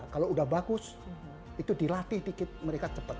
kalau udah bagus itu dilatih dikit mereka cepat